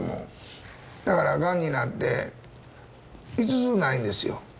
だからがんになって５つないんですよ。